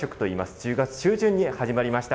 １０月中旬に始まりました。